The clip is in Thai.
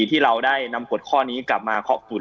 ที่เราได้นำกฏข้อนี้กลับมาข้อสุด